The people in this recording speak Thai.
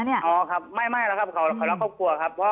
คุณเอกวีสนิทกับเจ้าแม็กซ์แค่ไหนคะ